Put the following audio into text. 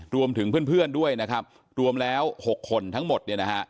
รวมถึงเพื่อนด้วยนะครับรวมแล้ว๖คนทั้งหมด